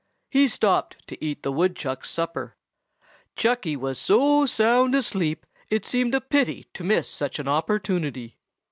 "He stopped to eat the woodchuck's supper. Chucky was so sound asleep it seemed a pity to miss such an opportunity.